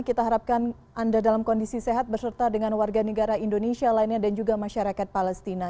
kita harapkan anda dalam kondisi sehat berserta dengan warga negara indonesia lainnya dan juga masyarakat palestina